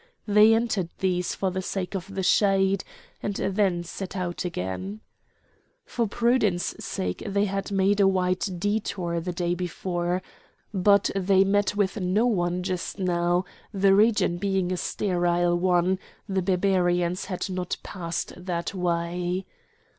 They entered these for the sake of the shade, and then set out again. For prudence sake they had made a wide detour the day before. But they met with no one just now; the region being a sterile one, the Barbarians had not passed that way.